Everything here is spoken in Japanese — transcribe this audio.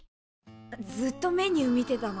ずっとメニュー見てたの？